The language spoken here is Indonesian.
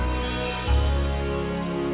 nggak sengaja lewat sini arman